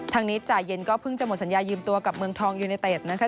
ทางนี้จ่ายเย็นก็เพิ่งจะหมดสัญญายืมตัวกับเมืองทองยูเนเต็ดนะคะ